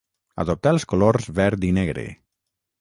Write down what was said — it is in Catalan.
Adoptà els colors verd i negre.